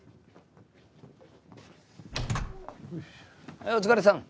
はいお疲れさん。